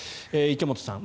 池本さん